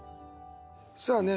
さあね